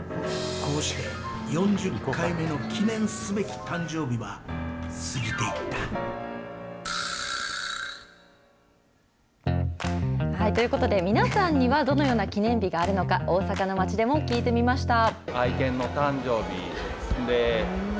こうして４０回目の記念すべき誕生日は過ぎていった。ということで、皆さんにはどのような記念日があるのか、大阪の街でも聞いてみました。